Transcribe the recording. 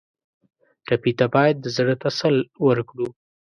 ټپي ته باید د زړه تسل ورکړو.